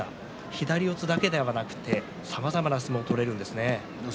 左四つだけではなく、さまざまな相撲を取れるんですね。